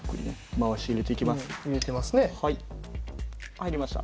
入りました。